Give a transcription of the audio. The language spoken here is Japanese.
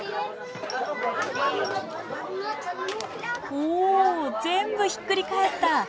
お全部ひっくり返った。